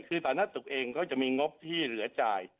คือสาธารณสุขเองก็จะมีงบที่เหลือจ่าย